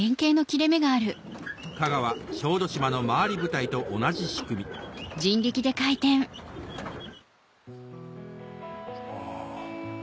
香川・小豆島の廻り舞台と同じ仕組みあぁ。